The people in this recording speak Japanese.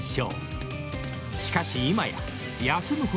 ［しかし今や］